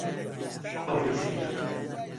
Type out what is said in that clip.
ڕقم لە سیرە.